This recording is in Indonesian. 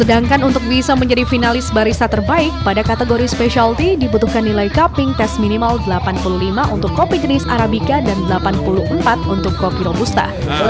atau kalau arabikan speciality kalau robusta itu main robusta